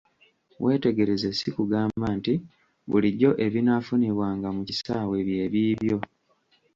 Weetegereze si kugamba nti bulijjo ebinaafunibwanga mu kisaawe byebiibyo.